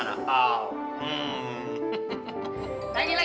kita pelagi kita pelagi